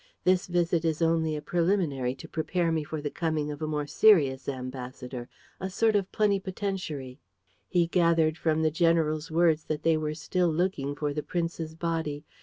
This visit is only a preliminary to prepare me for the coming of a more serious ambassador, a sort of plenipotentiary." He gathered from the general's words that they were still looking for the prince's body.